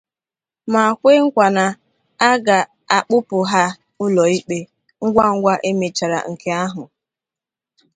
ma kwe nkwa na a ga-akpụpụ ha ụlọikpe ngwangwa e mechara nk ahụ.